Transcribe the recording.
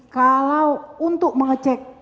kalau untuk mengecek